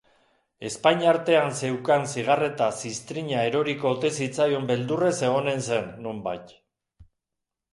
Ezpain artean zeukan zigarreta ziztrina eroriko ote zitzaion beldurrez egonen zen, nonbait.